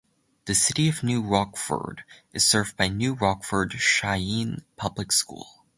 The city of New Rockford is served by New Rockford-Sheyenne Public School.